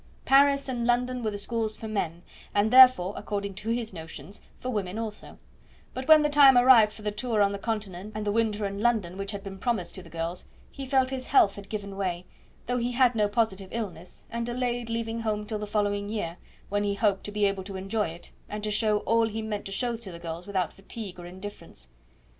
Paris and London were the schools for men, and therefore, according to his notions, for women also; but when the time arrived for the tour on the Continent and the winter in London, which had been promised to the girls, he felt his health had given way, though he had no positive illness, and delayed leaving home till the following year, when he hoped to be able to enjoy it, and to show all he meant to show to the girls without fatigue or indifference.